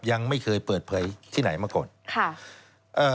ยังไม่เคยเปิดเผยที่ไหนมาก่อนค่ะเอ่อ